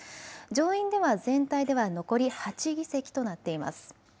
上院では全体では残り８議席となっています。